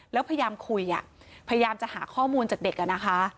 แล้วพยายามคุยอ่ะพยายามจะหาข้อมูลจากเด็กอะนะคะ